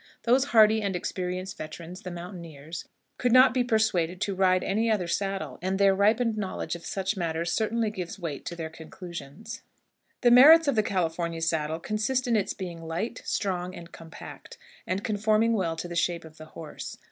Those hardy and experienced veterans, the mountaineers, could not be persuaded to ride any other saddle, and their ripened knowledge of such matters certainly gives weight to their conclusions. [Illustration: CALIFORNIA SADDLE.] The merits of the California saddle consist in its being light, strong, and compact, and conforming well to the shape of the horse.